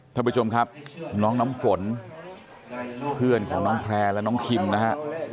ท่านผู้ชมครับน้องน้ำฝนเพื่อนของน้องแพร่และน้องคิมนะฮะ